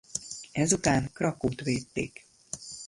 Ezután Krakkót védték.